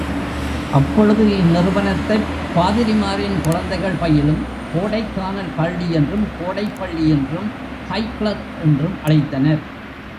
அப்பொழுது இந்நிறுவனத்தைப் பாதிரிமாரின் குழந்தைகள் பயிலும் கோடைக் கானல் பள்ளி என்றும், கோடைப்பள்ளி என்றும், ஹைகிளெர்க், என்றும் அழைத்தனர்.